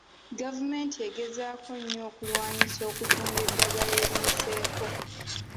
Gavumenti egezaako nnyo okulwanyisa okutunda eddagala eriyiseeko.